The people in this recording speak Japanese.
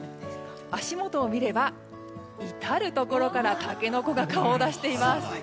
足元を見れば至るところからタケノコが顔を出しています。